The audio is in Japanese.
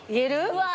うわ。